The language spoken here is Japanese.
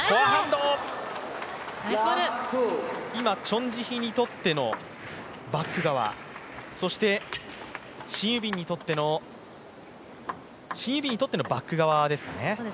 今、チョン・ジヒにとってのバック側そしてシン・ユビンにとってのバック側ですかね。